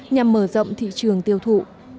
nhằm mở rộng thị trường tiêu thụ